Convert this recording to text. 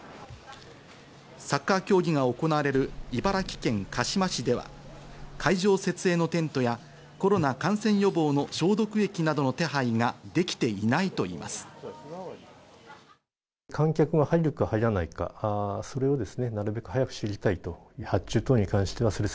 サッカー競技が行われる茨城県鹿嶋市では、会場設営のテントやコロナ感染予防の消毒液などの手配ができていないといいます。